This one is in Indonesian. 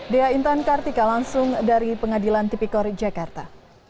dea intan kartika langsung dari pengadilan tipikor jakarta